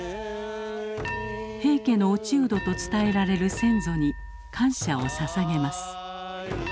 平家の落人と伝えられる先祖に感謝をささげます。